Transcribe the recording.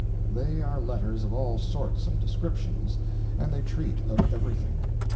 They are letters of all sorts and descriptions, and they treat of everything.